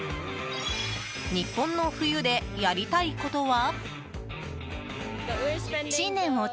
日本の冬でやりたいことは？